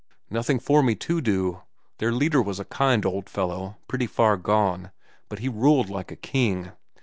"Nothing for me to do. Their leader was a kind old fellow, pretty far gone, but he ruled like a king.